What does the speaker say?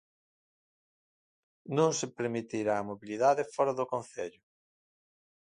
Non se permitirá a mobilidade fora do concello.